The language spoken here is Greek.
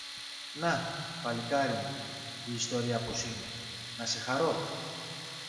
Να, παλικάρι μου, η ιστορία πώς είναι, να σε χαρώ!